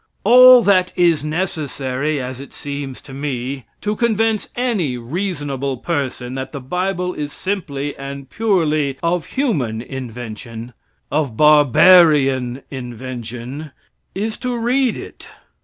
All that is necessary, as it seems to me, to convince any reasonable person that the bible is simply and purely of human invention of barbarian invention is to read it.